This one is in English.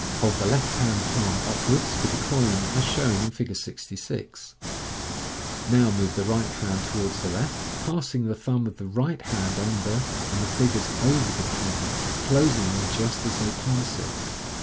Hold the left hand palm upwards, with the coin as shown in Fig 66. Now move the right hand to wards the left, p assing the thumb of the right hand under, and the fingers over the coin, closing them just as they pass it.